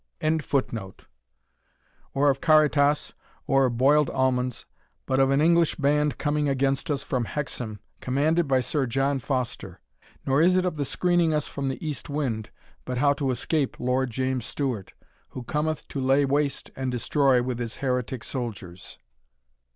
] or of caritas, or of boiled almonds, but of an English band coming against us from Hexham, commanded by Sir John Foster; nor is it of the screening us from the east wind, but how to escape Lord James Stewart, who cometh to lay waste and destroy with his heretic soldiers."